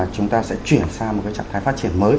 chúng ta sẽ chuyển sang một trạng thái phát triển mới